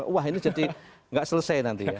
wah ini jadi nggak selesai nanti ya